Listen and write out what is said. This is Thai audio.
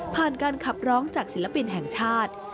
การขับร้องจากศิลปินแห่งชาติ